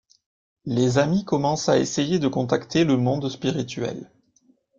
Les amis commencent à essayer de contacter le monde spirituel.